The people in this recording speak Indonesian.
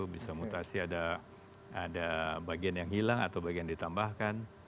bisa mutasi ada bagian yang hilang atau bagian ditambahkan